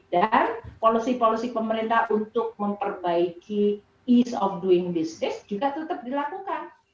dan polusi polusi pemerintah untuk memperbaiki ease of doing business juga tetap dilakukan